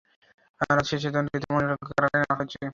রায় শেষে দণ্ডিত মনিরুলকে কারাগারে নেওয়া হয়েছে।